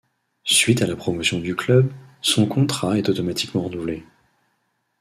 Suite à la promotion du club, son contrat est automatiquement renouvelé.